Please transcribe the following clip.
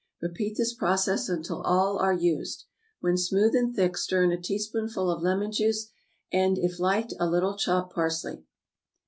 Repeat this process until all are used. When smooth and thick, stir in a teaspoonful of lemon juice, and, if liked, a little chopped parsley.